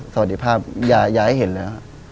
สวัสดีภาพอย่าให้เห็นเลยอะครับ